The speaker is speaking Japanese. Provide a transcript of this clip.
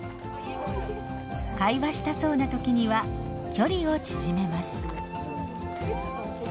会話したそうな時には距離を縮めます。